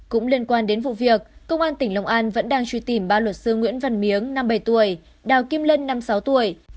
cũng liên quan đến vụ việc công an tỉnh long an vẫn đang truy tìm ba luật sư nguyễn văn miếng năm bảy tuổi đào kim lân năm mươi sáu tuổi